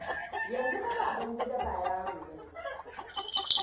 Yanzu fa Babangida ba yaro ba ne.